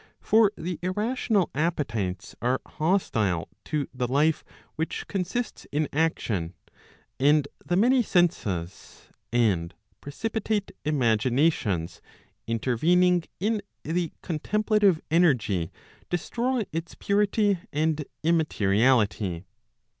For the irrational appetites are hostile to the life which consists in action, and the many senses and precipitate imaginations intervening in the contemj> lative energy destroy its purity and immateriality.